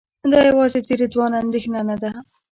دا یوازې د رضوان اندېښنه نه ده.